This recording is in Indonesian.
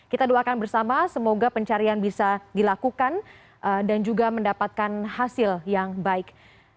kita doakan bersama semoga pencarian bisa dilakukan dan juga mendapatkan hasil yang baik